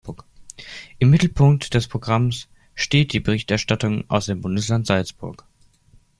Im Mittelpunkt des Programms steht die Berichterstattung aus dem Bundesland Salzburg.